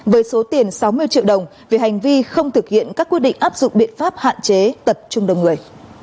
với số tiền sáu mươi triệu đồng vì hành vi không thực hiện các quyết định áp dụng biện pháp hạn chế tật chung đồng người